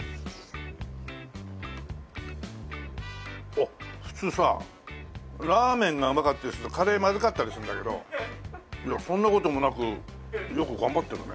あっ普通さラーメンがうまかったりするとカレーまずかったりするんだけどそんな事もなくよく頑張ってるね。